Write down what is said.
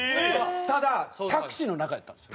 ただタクシーの中やったんですよ。